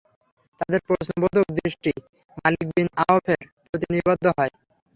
তাদের প্রশ্নবোধক দৃষ্টি মালিক বিন আওফের প্রতি নিবদ্ধ হয়।